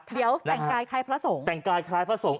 เดี๋ยวแต่งกายคล้ายพระสงฆ์